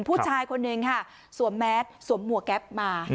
ผู้ชายคนหนึ่งค่ะสวมแมสสวมหมวกแก๊ปมา